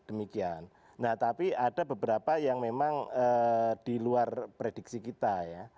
nah di beberapa tempat lain juga demikian nah tapi ada beberapa yang memang di luar prediksi kita